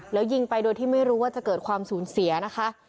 แล้วยิงไปโดยที่ไม่รู้ว่าจะเกิดความสูญเสียนะคะ